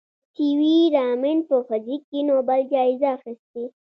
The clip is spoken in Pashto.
سي وي رامن په فزیک کې نوبل جایزه اخیستې.